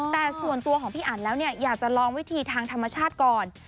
แต่ส่วนตัวของพี่อันแล้วเนี่ยอยากจะลองวิธีทางธรรมชาติก่อน